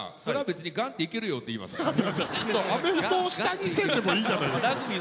アメフトを下にせんでもいいじゃないですか。